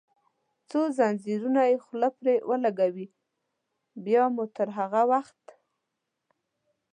څو زنځیرونه یې خوله پرې ولګوي، بیا مو تر هغه وخت.